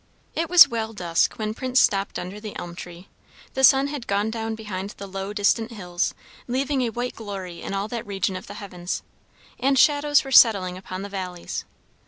It was well dusk when Prince stopped under the elm tree. The sun had gone down behind the low distant hills, leaving a white glory in all that region of the heavens; and shadows were settling upon the valleys.